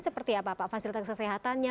seperti apa pak fasilitas kesehatannya